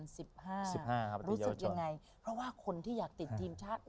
รู้สึกยังไงเพราะว่าคนที่อยากติดทีมชาติ